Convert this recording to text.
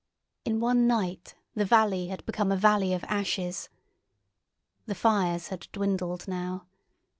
In one night the valley had become a valley of ashes. The fires had dwindled now.